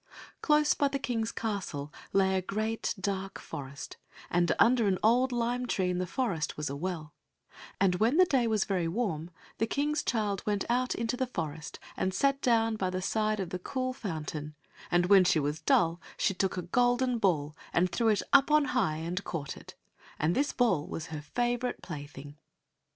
Close by the King's castle lay a great dark forest, and under an old lime tree in the forest was a well, and when the day was very warm, the King's child went out into the forest and sat down by the side of the cool fountain, and when she was dull she took a golden ball, and threw it up on high and caught it, and this ball was her favorite plaything.